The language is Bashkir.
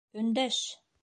Өндәш!